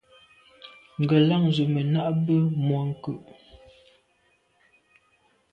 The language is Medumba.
Ngelan ze me na’ mbe mônke’.